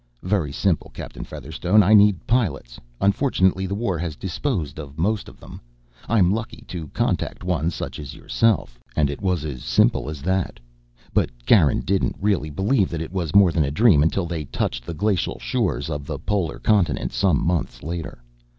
Very simple, Captain Featherstone. I need pilots. Unfortunately the war has disposed of most of them. I'm lucky to contact one such as yourself "And it was as simple as that. But Garin didn't really believe that it was more than a dream until they touched the glacial shores of the polar continent some months later.